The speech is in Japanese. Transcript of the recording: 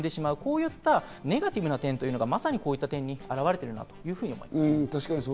こういったネガティブな点というのがまさにこういった点に表れているなというふうに思います。